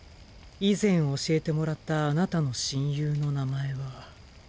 以前教えてもらったあなたの親友の名前は。